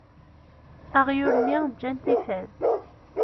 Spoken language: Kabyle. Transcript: Aɣyul-nni ǧǧan-t ifad.